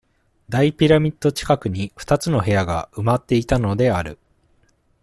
大ピラミッド近くに、二つの部屋が、埋まっていたのである。